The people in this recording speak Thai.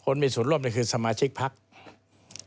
มีส่วนร่วมคือสมาชิกภักดิ์